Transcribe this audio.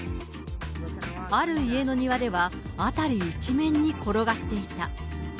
ある家の庭には、辺り一面に転がっていた。